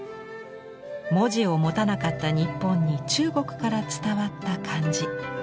文字を持たなかった日本に中国から伝わった漢字。